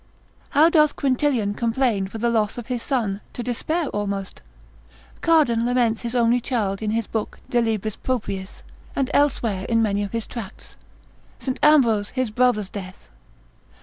How doth Quintilian complain for the loss of his son, to despair almost: Cardan lament his only child in his book de libris propriis, and elsewhere in many of his tracts, St. Ambrose his brother's death?